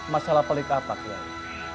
masalah pelik apa kiai